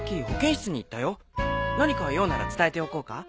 何か用なら伝えておこうか？